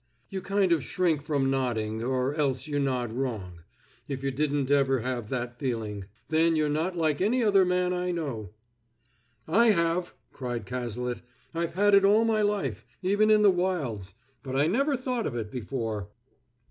You kind of shrink from nodding, or else you nod wrong; if you didn't ever have that feeling, then you're not like any other man I know." "I have!" cried Cazalet. "I've had it all my life, even in the wilds; but I never thought of it before."